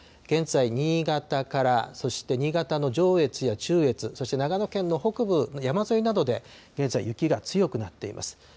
現在、新潟からそして新潟の上越や中越、そして長野県の北部山沿いなどで、現在、雪が強くなっています。